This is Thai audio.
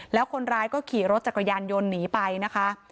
แล้วคนร้ายก็ขี่รถจักรยานยนต์หนีไปนะคะ